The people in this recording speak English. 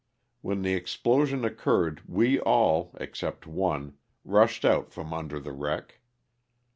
When the ex plosion occurred we all, except one, rushed out from under the wreck.